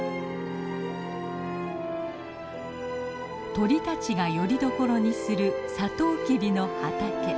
鳥たちがよりどころにするサトウキビの畑。